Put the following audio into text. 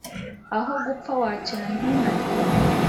Aho gupfa wakena ntu narye